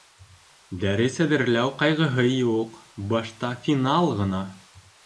Дәрес әҙерләү ҡайғыһы юҡ, башта финал ғына.